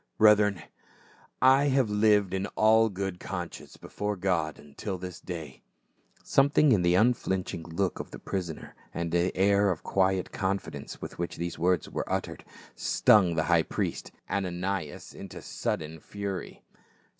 " Brethren, I have lived in all good conscience before God until this day." Something in the unflinching look of the prisoner, and the air of quiet confidence with which these words were uttered stung the high priest, Ananias, into sud den fury.